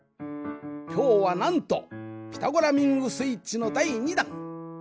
きょうはなんと「ピタゴラミングスイッチ」の第２弾！